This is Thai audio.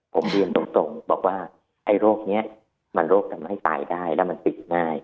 ผมเรียนตรงบอกว่าไอ้โรคนี้มันโรคทำให้ตายได้แล้วมันติดง่าย